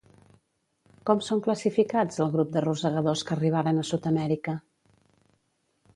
Com són classificats el grup de rosegadors que arribaren a Sud-amèrica?